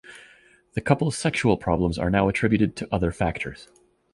The couple's sexual problems are now attributed to other factors.